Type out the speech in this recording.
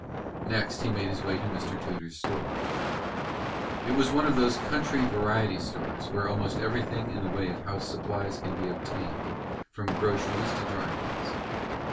Next he made his way to Mr. Tudor's store. It was one of those country variety stores where almost everything in the way of house supplies can be obtained, from groceries to dry goods.